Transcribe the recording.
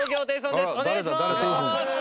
お願いします